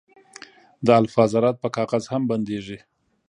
د الفا ذرات په کاغذ هم بندېږي.